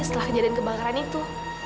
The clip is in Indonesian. setelah kejadian kebakaran itu